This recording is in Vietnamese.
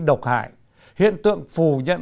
độc hại hiện tượng phủ nhận